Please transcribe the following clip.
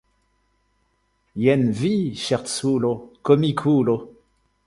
Jen vi ŝerculo, komikulo!